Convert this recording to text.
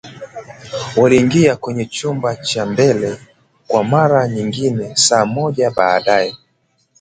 Waliingia kwenye chumba cha mbele kwa mara nyingine saa moja baadaye